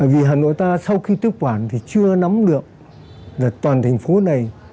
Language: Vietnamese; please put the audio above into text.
vì hà nội ta sau khi tiếp quản thì chưa nắm được là toàn thành phố này